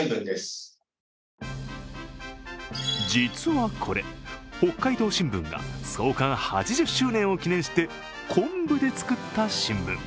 実はこれ、北海道新聞が創刊８０周年を記念して昆布で作った新聞。